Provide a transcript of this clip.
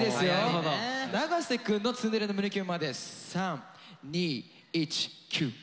永瀬くんのツンデレの胸キュンまで３２１キュー。